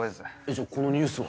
じゃあこのニュースは？